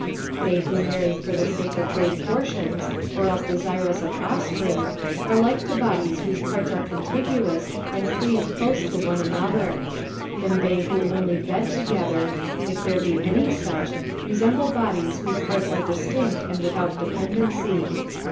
They who marry for the sake of great portions, or else desirous of offspring, are like to bodies whose parts are contiguous and cleave close to one another ; and they who only bed together, if there be any such, resemble bodies whose parts are distinct and without dependency.